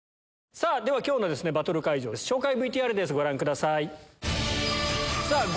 さぁ今日のバトル会場の紹介ＶＴＲですご覧ください。